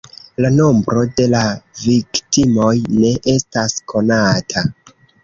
La nombro de la viktimoj ne estas konata.